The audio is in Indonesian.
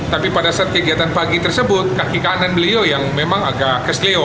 tapi pada saat kegiatan pagi tersebut kaki kanan beliau yang memang agak keselio